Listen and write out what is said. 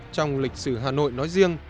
trong lịch sử hà nội nói riêng